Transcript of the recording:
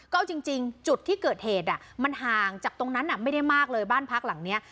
ก็เอาจริงจุดที่เกิดเหตุมันห่างจากตรงนั้นไม่ได้มากเลยบ้านพักหลังนี้